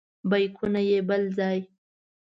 بیکونه یې بل ځای.